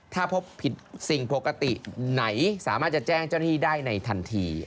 ถ้าพบผิดสิ่งปกติไหนสามารถจะแจ้งเจ้าหน้าที่ได้ในทันที